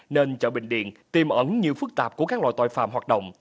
nên chợ bình điện tiêm ẩn nhiều phức tạp của các loại tội phạm hoạt động